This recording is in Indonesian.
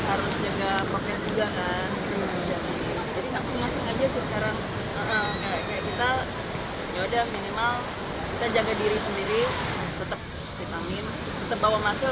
kayak kita yaudah minimal kita jaga diri sendiri tetap vitamin tetap bawa masker